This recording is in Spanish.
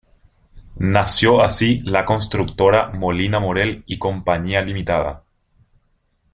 Nació así la constructora Molina Morel y Cía Ltda.